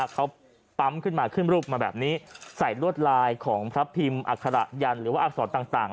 เขาปั๊มขึ้นมาขึ้นรูปมาแบบนี้ใส่ลวดลายของพระพิมพ์อัคระยันหรือว่าอักษรต่าง